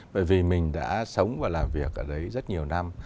bởi vì mình đã sống và làm việc ở đấy rất nhiều năm